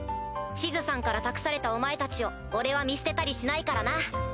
シズさんから託されたお前たちを俺は見捨てたりしないからな。